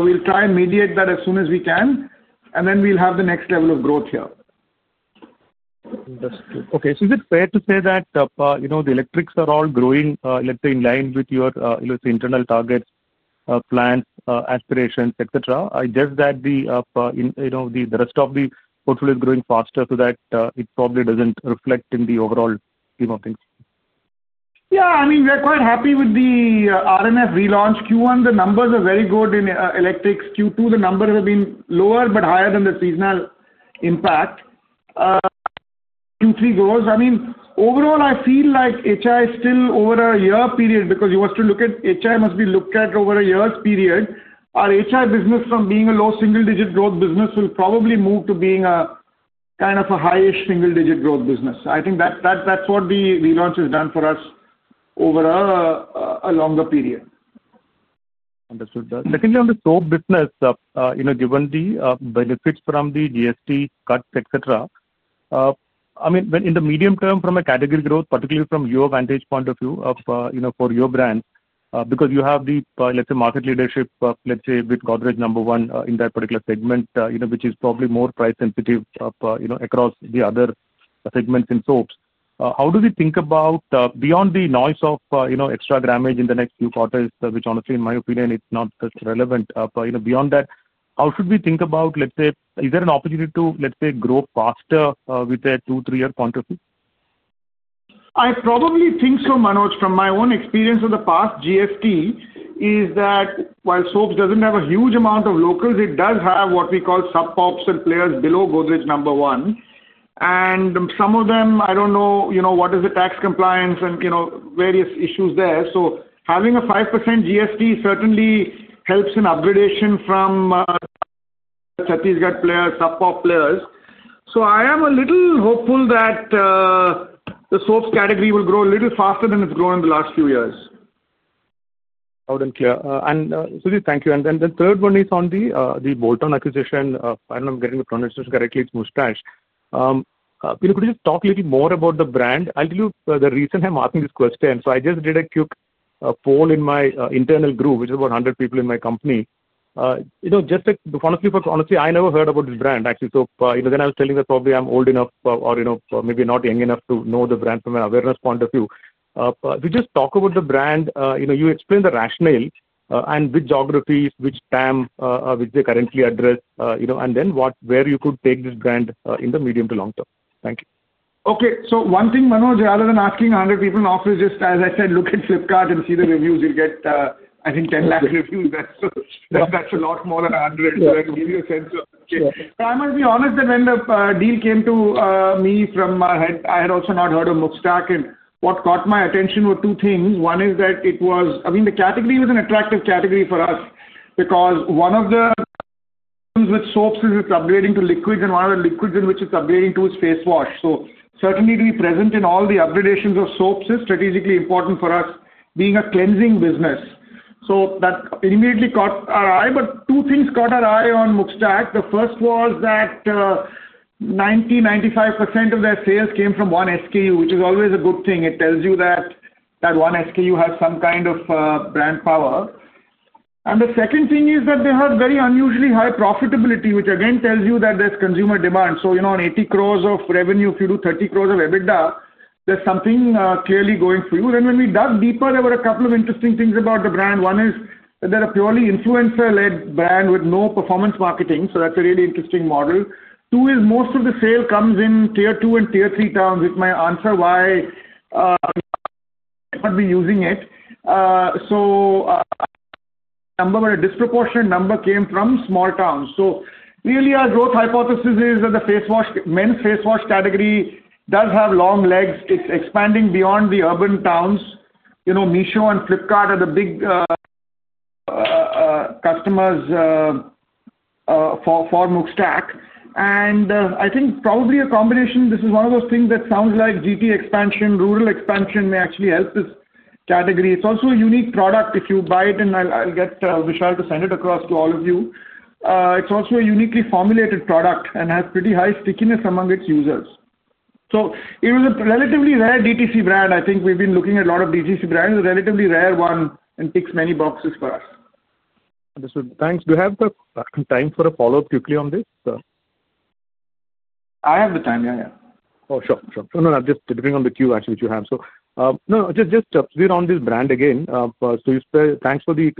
We'll try and mediate that as soon as we can, and then we'll have the next level of growth here. Okay. Is it fair to say that the electrics are all growing, let's say, in line with your internal targets, plans, aspirations, etc.? I guess that the rest of the portfolio is growing faster so that it probably doesn't reflect in the overall scheme of things. Yeah. I mean, we're quite happy with the RMF relaunch in Q1. The numbers are very good in electrics. Q2, the numbers have been lower, but higher than the seasonal impact. Q3 grows. I mean, overall, I feel like household insecticides is still over a year period because you must look at household insecticides over a year's period. Our household insecticides business, from being a low single-digit growth business, will probably move to being a kind of a high-ish single-digit growth business. I think that's what the relaunch has done for us over a longer period. Understood. Secondly, on the soap business. Given the benefits from the GST cuts, etc., in the medium term, from a category growth, particularly from your vantage point of view for your brand, because you have the, let's say, market leadership, let's say, with Godrej No. 1 in that particular segment, which is probably more price sensitive across the other segments in soaps. How do we think about beyond the noise of extra grammage in the next few quarters, which honestly, in my opinion, it's not that relevant? Beyond that, how should we think about, let's say, is there an opportunity to, let's say, grow faster with a 2, 3year point of view? I probably think so, Manoj. From my own experience of the past GST, while soaps doesn't have a huge amount of locals, it does have what we call subpops and players below Godrej No. 1. Some of them, I don't know what is the tax compliance and various issues there. Having a 5% GST certainly helps in upgradation from Chhattisgarh players, subpop players. I am a little hopeful that the soaps category will grow a little faster than it's grown in the last few years. I wouldn't care. Sudhit, thank you. The third one is on the Bolton acquisition. I don't know if I'm getting the pronunciation correctly. It's Muuchstac. Could you just talk a little more about the brand? I'll tell you the reason I'm asking this question. I just did a quick poll in my internal group, which is about 100 people in my company. Honestly, I never heard about this brand, actually. I was telling that probably I'm old enough or maybe not young enough to know the brand from an awareness point of view. If you just talk about the brand, explain the rationale and which geographies, which TAM, which they currently address, and where you could take this brand in the medium to long term. Thank you. Okay. One thing, Manoj, rather than asking 100 people in the office, just as I said, look at Flipkart and see the reviews. You'll get, I think, 1,000,000 reviews. That's a lot more than 100. That will give you a sense. I must be honest that when the deal came to me from my head, I had also not heard of Muuchstac. What caught my attention were two things. One is that the category was an attractive category for us because one of the problems with soaps is it's upgrading to liquids, and one of the liquids in which it's upgrading to is face wash. Certainly, to be present in all the upgradations of soaps is strategically important for us being a cleansing business. That immediately caught our eye. Two things caught our eye on Muuchstac. The first was that 90%-95% of their sales came from one SKU, which is always a good thing. It tells you that one SKU has some kind of brand power. The second thing is that they have very unusually high profitability, which again tells you that there's consumer demand. On 80 crore of revenue, if you do 30 crore of EBITDA, there's something clearly going for you. When we dug deeper, there were a couple of interesting things about the brand. One is that they're a purely influencer-led brand with no performance marketing. That's a really interesting model. Most of the sale comes in tier two and tier three towns, which may answer why we're not using it. A disproportionate number came from small towns. Our growth hypothesis is that the men's face wash category does have long legs. It's expanding beyond the urban towns. Meesho and Flipkart are the big customers for Muuchstac. I think probably a combination, this is one of those things that sounds like GT expansion, rural expansion may actually help this category. It's also a unique product. If you buy it, and I'll get Vishal to send it across to all of you, it's also a uniquely formulated product and has pretty high stickiness among its users. It was a relatively rare DTC brand. I think we've been looking at a lot of DTC brands. It's a relatively rare one and ticks many boxes for us. Understood. Thanks. Do you have the time for a follow-up quickly on this? I have the time. Yeah, yeah. Sure. Just depending on the queue, actually, which you have. Just to zoom in on this brand again. Thanks for the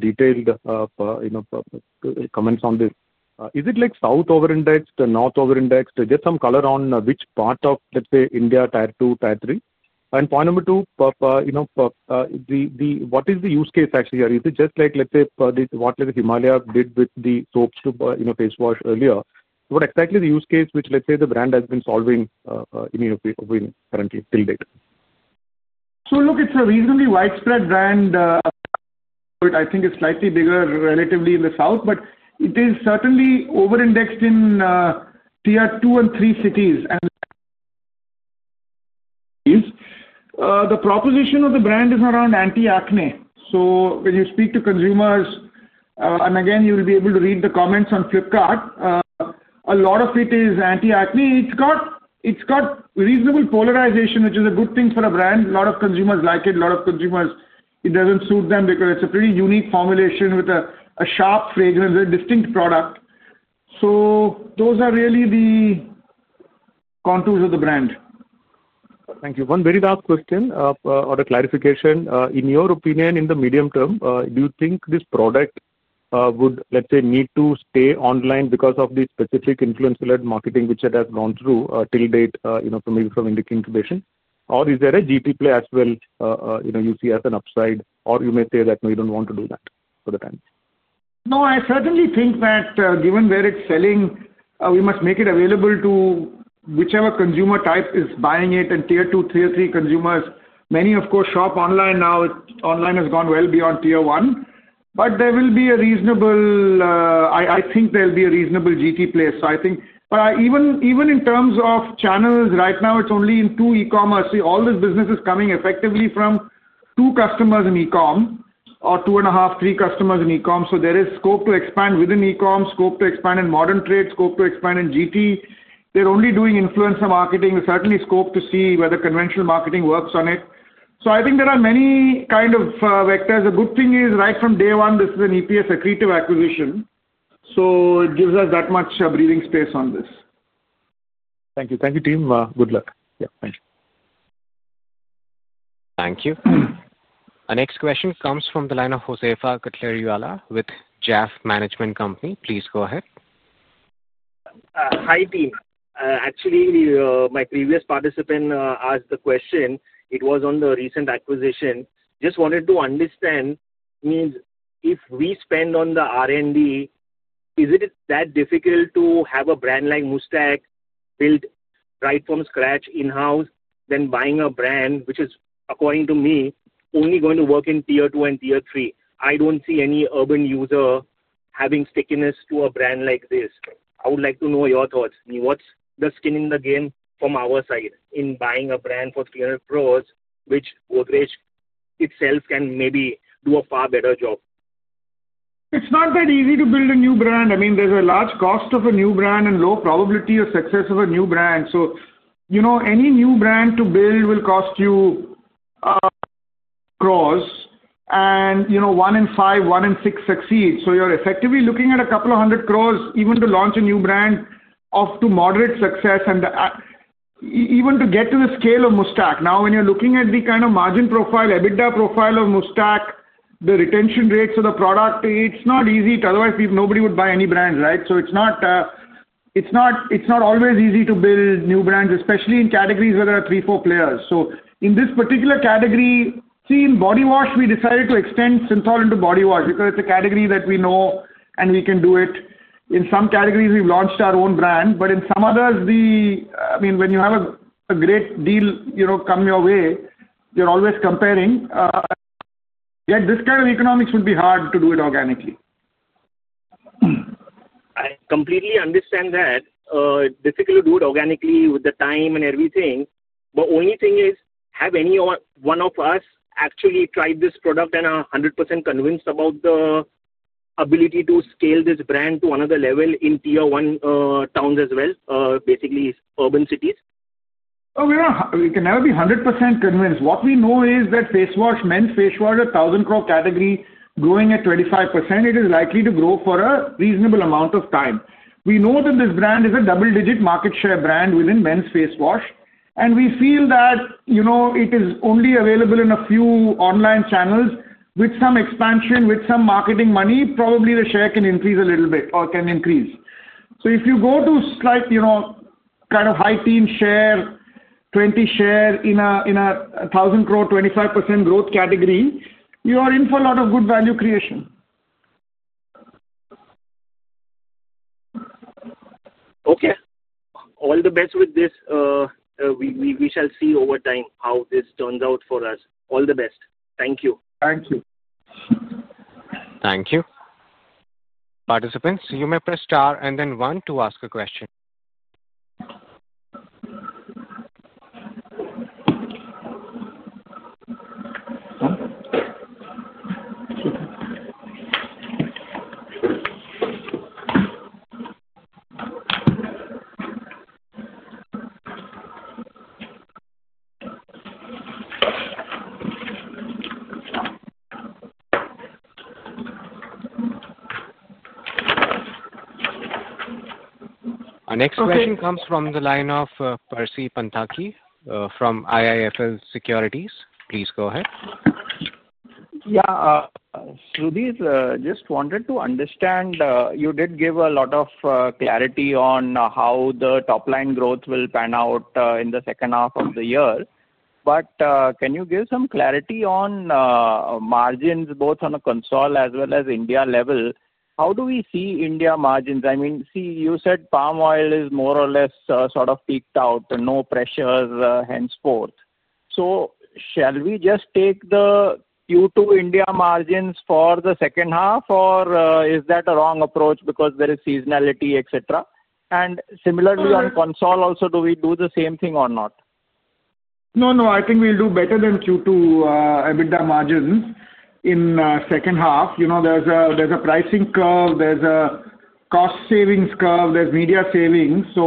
detailed comments on this. Is it like south overindexed, north overindexed? Just some color on which part of, let's say, India, tier two, tier three? Point number two, what is the use case, actually? Or is it just like, let's say, what Himalaya did with the soaps to Face Wash earlier? What exactly is the use case which, let's say, the brand has been solving currently till date? It is a reasonably widespread brand. I think it's slightly bigger relatively in the south, but it is certainly overindexed in tier two and three cities. The proposition of the brand is around anti-acne. When you speak to consumers, and again, you'll be able to read the comments on Flipkart, a lot of it is anti-acne. It's got reasonable polarization, which is a good thing for a brand. A lot of consumers like it. A lot of consumers, it doesn't suit them because it's a pretty unique formulation with a sharp fragrance, a distinct product. Those are really the contours of the brand. Thank you. One very last question or a clarification. In your opinion, in the medium term, do you think this product would, let's say, need to stay online because of the specific influencer-led marketing which it has gone through till date from Indic Incubation? Or is there a GT play as well you see as an upside? You may say that no, you don't want to do that for the time? No, I certainly think that given where it's selling, we must make it available to whichever consumer type is buying it and tier two, tier three consumers. Many, of course, shop online now. Online has gone well beyond tier one. There will be a reasonable GT place. I think even in terms of channels, right now, it's only in two e-commerce. All this business is coming effectively from two customers in e-comm or two and a half, three customers in e-comm. There is scope to expand within e-comm, scope to expand in modern trade, scope to expand in GT. They're only doing influencer marketing. There's certainly scope to see whether conventional marketing works on it. I think there are many kind of vectors. The good thing is, right from day one, this is an EPS-accretive acquisition. It gives us that much breathing space on this. Thank you. Thank you, team. Good luck. Thank you. Thank you. Our next question comes from the line of [Aasif Petriolla with Jaffe Management Company] Please go ahead. Hi, team. Actually, my previous participant asked the question. It was on the recent acquisition. Just wanted to understand. If we spend on the R&D, is it that difficult to have a brand like Muuchstac built right from scratch in-house than buying a brand which is, according to me, only going to work in tier two and tier three? I don't see any urban user having stickiness to a brand like this. I would like to know your thoughts. What's the skin in the game from our side in buying a brand for 300 crore, which Godrej itself can maybe do a far better job? It's not that easy to build a new brand. I mean, there's a large cost of a new brand and low probability of success of a new brand. Any new brand to build will cost you crores, and one in five, one in six succeed. You're effectively looking at a couple of hundred crores, even to launch a new brand to moderate success. Even to get to the scale of Muuchstac. Now, when you're looking at the kind of margin profile, EBITDA profile of Muuchstac, the retention rates of the product, it's not easy. Otherwise, nobody would buy any brand, right? It's not always easy to build new brands, especially in categories where there are three, four players. In this particular category, seeing Body Wash, we decided to extend Cinthol into Body Wash because it's a category that we know and we can do it. In some categories, we've launched our own brand. In some others, when you have a great deal come your way, you're always comparing. Yet this kind of economics would be hard to do it organically. I completely understand that. It's difficult to do it organically with the time and everything. The only thing is, have any one of us actually tried this product and are 100% convinced about the ability to scale this brand to another level in tier one towns as well, basically urban cities? We can never be 100% convinced. What we know is that men's face wash, 1,000 crore category, growing at 25%, it is likely to grow for a reasonable amount of time. We know that this brand is a double-digit market share brand within men's face wash, and we feel that it is only available in a few online channels. With some expansion, with some marketing money, probably the share can increase a little bit or can increase. If you go to kind of high-teens share, 20% share in a 1,000 crore 25% growth category, you are in for a lot of good value creation. Okay. All the best with this. We shall see over time how this turns out for us. All the best. Thank you. Thank you. Thank you. Participants, you may press star and then one to ask a question. Our next question comes from the line of Percy Panthaki from IIFL Securities. Please go ahead. Yeah. Sudhir, just wanted to understand. You did give a lot of clarity on how the top-line growth will pan out in the second half of the year. Can you give some clarity on margins, both on a console as well as India level? How do we see India margins? I mean, you said palm oil is more or less sort of peaked out, no pressures, henceforth. Shall we just take the Q2 India margins for the second half, or is that a wrong approach because there is seasonality, etc.? Similarly, on console also, do we do the same thing or not? No, no. I think we'll do better than Q2 EBITDA margins in the second half. There's a pricing curve, there's a cost savings curve, there's media savings. We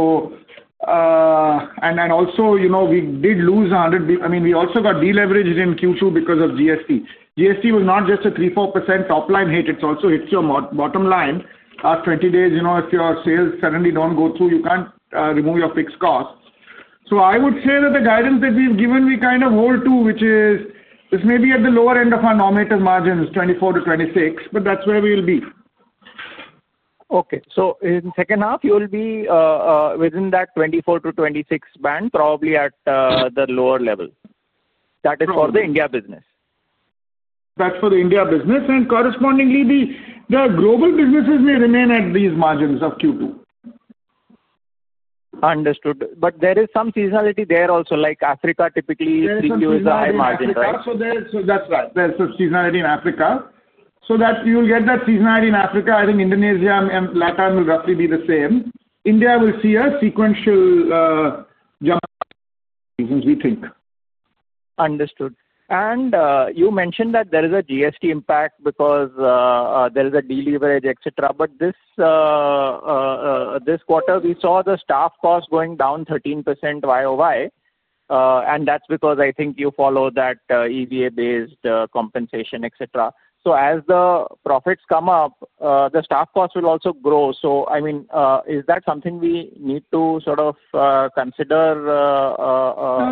did lose 100. I mean, we also got deleveraged in Q2 because of GST. GST was not just a 3%-4% top-line hit, it also hits your bottom line. Twenty days, if your sales suddenly don't go through, you can't remove your fixed cost. I would say that the guidance that we've given, we kind of hold to, which is this may be at the lower end of our normative margins, 24%-26%, but that's where we'll be. Okay. In the second half, you'll be within that 24%-26% band, probably at the lower level. That is for the India business. That's for the India business. Correspondingly, the global businesses may remain at these margins of Q2. Understood. There is some seasonality there also, like Africa typically is a high margin, right? That's right. There's some seasonality in Africa, so you'll get that seasonality in Africa. I think Indonesia and Latin will roughly be the same. India will see a sequential jump. Reasons, we think. Understood. You mentioned that there is a GST impact because there is a deleverage, etc. This quarter, we saw the staff cost going down 13% YOY. That's because I think you follow that EVA-based compensation, etc. As the profits come up, the staff cost will also grow. Is that something we need to sort of consider?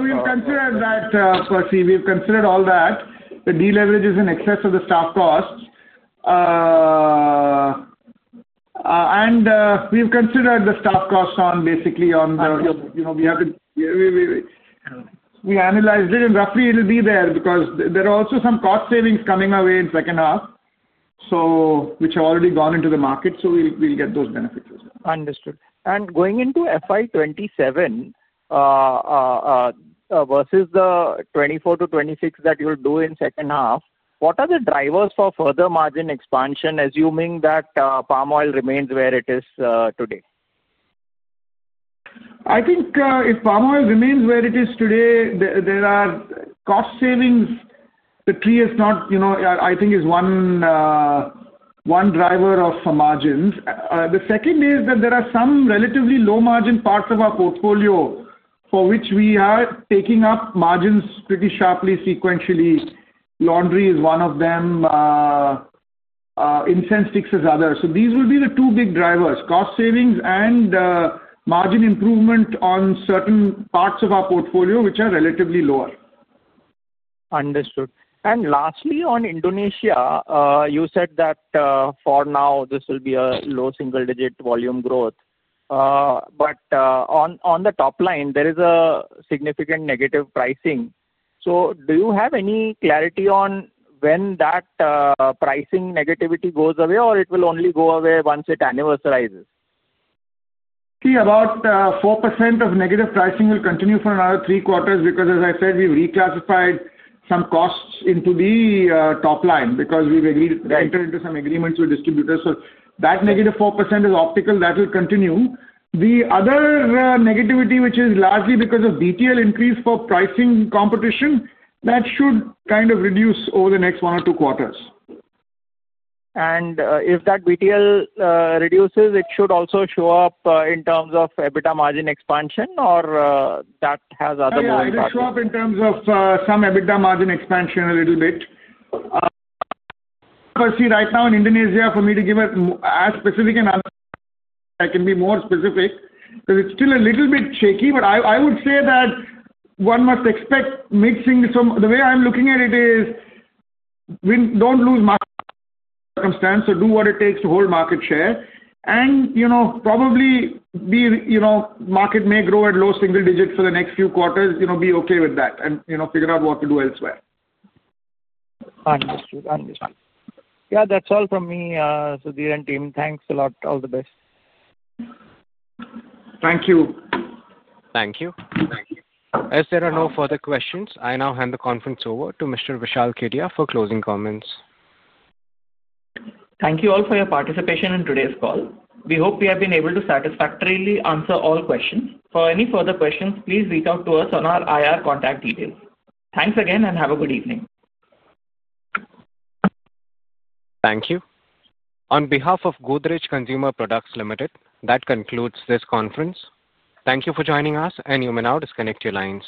We've considered that, Percy. We've considered all that. The deleverage is in excess of the staff cost. We've considered the staff cost basically on the. We analyzed it, and roughly, it'll be there because there are also some cost savings coming our way in the second half, which have already gone into the market. We'll get those benefits as well. Understood. Going into FY 2027 versus the 2024 to 2026 that you'll do in the second half, what are the drivers for further margin expansion, assuming that palm oil remains where it is today? I think if palm oil remains where it is today, there are cost savings. The tree is not, I think, is one driver of margins. The second is that there are some relatively low-margin parts of our portfolio for which we are taking up margins pretty sharply, sequentially. Laundry is one of them. Incense sticks is others. These will be the two big drivers: cost savings and margin improvement on certain parts of our portfolio, which are relatively lower. Understood. Lastly, on Indonesia, you said that for now, this will be a low single-digit volume growth. On the top line, there is a significant negative pricing. Do you have any clarity on when that pricing negativity goes away, or it will only go away once it anniversalizes? See, about 4% of negative pricing will continue for another three quarters because, as I said, we've reclassified some costs into the top line because we've entered into some agreements with distributors. That negative 4% is optical and will continue. The other negativity, which is largely because of BTL increase for pricing competition, should kind of reduce over the next one or two quarters. If that BTL reduces, it should also show up in terms of EBITDA margin expansion, or that has other moving factors? It will show up in terms of some EBITDA margin expansion a little bit. Percy, right now in Indonesia, for me to give as specific an answer, I can be more specific because it's still a little bit shaky. I would say that one must expect mixing. The way I'm looking at it is we don't lose market circumstance, so do what it takes to hold market share. Market may grow at low single digits for the next few quarters, be okay with that, and figure out what to do elsewhere. Understood. Yeah, that's all from me, Sudhir and team. Thanks a lot. All the best. Thank you. Thank you. Thank you. If there are no further questions, I now hand the conference over to Mr. Vishal Kedia for closing comments. Thank you all for your participation in today's call. We hope we have been able to satisfactorily answer all questions. For any further questions, please reach out to us on our IR contact details. Thanks again, and have a good evening. Thank you. On behalf of Godrej Consumer Products Limited, that concludes this conference. Thank you for joining us, and you may now disconnect your lines.